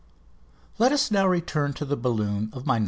Let us now return to the balloon of my "No.